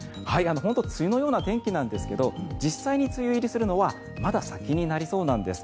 本当に梅雨のような天気なんですけど実際に梅雨入りするのはまだ先になりそうなんです。